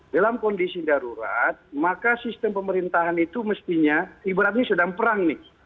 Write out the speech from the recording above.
dalam kondisi darurat maka sistem pemerintahan itu mestinya ibaratnya sedang perang nih